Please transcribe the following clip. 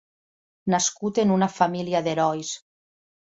Nascut en una família d'herois.